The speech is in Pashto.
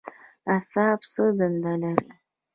اعصاب څه دنده لري؟